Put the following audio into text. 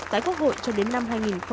tại quốc hội cho đến năm hai nghìn hai mươi